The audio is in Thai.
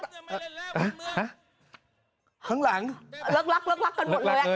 ฮะข้างหลังเลือกรักเลือกรักกันหมดเลย